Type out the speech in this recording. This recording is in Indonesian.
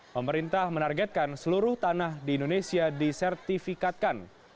pemerintah menargetkan seluruh tanah di indonesia disertifikatkan